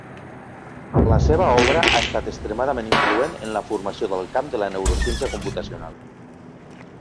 La seva obra ha estat extremadament influent en la formació del camp de la neurociència computacional.